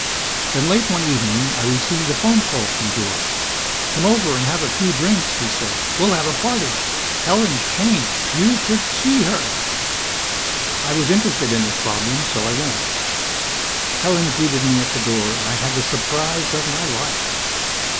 Then, late one evening, I received a phone call from George. "Come over and have a few drinks," he said. "We'll have a party! Helen's changed. You should see her!" I was interested in his problem, so I went. Helen greeted me at the door and I had the surprise of my life.